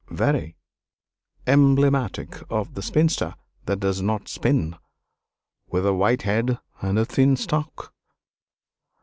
"Very! emblematic of a spinster that does not spin, with a white head and a thin stalk."